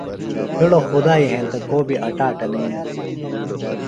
ہِڑوۡ خدائی ہنتہ کو بیۡ اٹاٹہ نئینہ۔